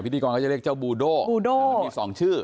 พิธีกรก็จะเรียกเจ้าบูโดมี๒ชื่อ